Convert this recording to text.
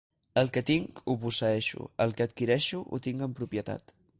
El que tinc, ho posseeixo; el que adquireixo, ho tinc en propietat.